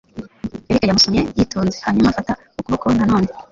Eric yamusomye yitonze, hanyuma afata ukuboko na none.